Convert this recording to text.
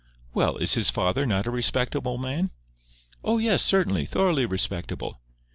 "Well, is his father not a respectable man?" "Oh, yes, certainly. Thoroughly respectable."